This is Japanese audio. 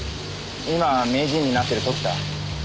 今名人になってる時田。